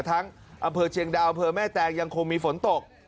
อำเภอเชียงดาวอำเภอแม่แตงยังคงมีฝนตก